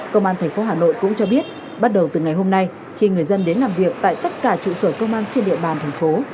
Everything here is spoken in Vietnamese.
công an tp hà nội cũng cho biết bắt đầu từ ngày hôm nay khi người dân đến làm việc tại tất cả trụ sở công an trên địa bàn thành phố